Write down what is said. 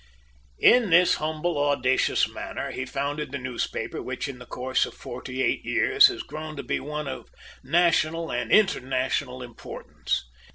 In this humble, audacious manner was founded the newspaper which, in the course of forty eight years, has grown to be one of national and international importance.